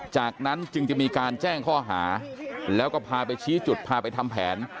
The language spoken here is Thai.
จากนั้นจึงจะมีการแจ้งข้อหาแล้วก็พาไปชี้จุดพาไปทำแผน